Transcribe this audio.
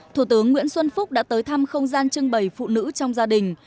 thủ tướng nguyễn xuân phúc đã tới thăm không gian trưng bày phụ nữ trong gia đình